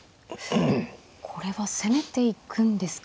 これは攻めていくんですか。